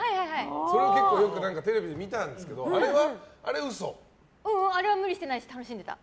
それをよくテレビで見たんですけどううん、あれは無理してないし楽しんでた。